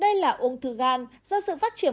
đây là ung thư gan do sự phát triển